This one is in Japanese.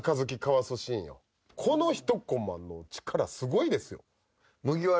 この一こまの力すごいですよ。